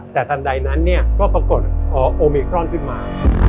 แต่ทันใดนั้นก็ปรากฎโอมิครอนขึ้นมา